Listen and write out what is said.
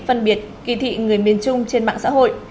phân biệt kỳ thị người miền trung trên mạng xã hội